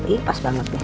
ih pas banget ya